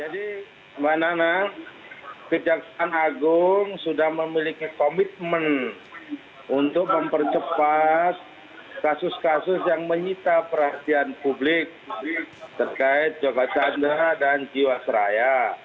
semua anak anak kejaksaan agung sudah memiliki komitmen untuk mempercepat kasus kasus yang menghita perhatian publik terkait jogja tanda dan jiwasraya